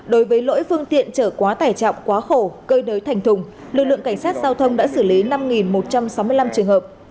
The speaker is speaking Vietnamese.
đối với lỗi phương tiện trở quá tải trọng quá khổ cơi nới thành thùng lực lượng cảnh sát giao thông đã xử lý năm một trăm sáu mươi năm trường hợp